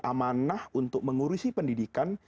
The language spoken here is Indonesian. amanah untuk mengurusi pendidikan